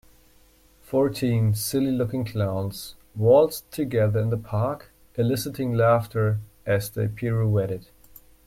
Fourteen silly looking clowns waltzed together in the park eliciting laughter as they pirouetted.